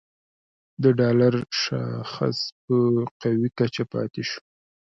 د ډالر شاخص په قوي کچه پاتې شو